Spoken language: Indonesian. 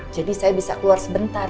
jadi saya bisa keluar sebentar